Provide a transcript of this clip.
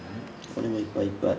おれもいっぱいいっぱい。